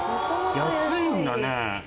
安いんだね。